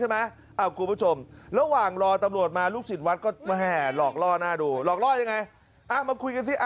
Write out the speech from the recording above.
ป้ายอยู่ตรงนี้ถ้าจับตรงนี้